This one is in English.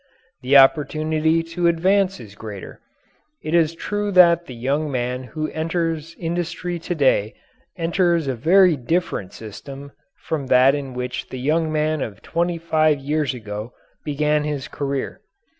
The opportunity to advance is greater. It is true that the young man who enters industry to day enters a very different system from that in which the young man of twenty five years ago began his career.